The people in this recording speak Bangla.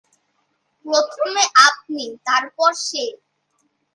প্রথমে আপনি, তারপর সে।